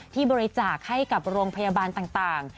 ที่บริจาคให้กับโรงพยาบาลต่าง